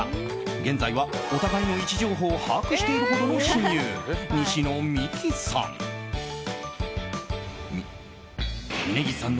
現在はお互いの位置情報を把握しているほどの親友西野未姫さん。